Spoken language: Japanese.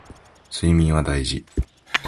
睡眠は大事